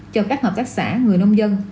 cho các hợp tác xã người nông dân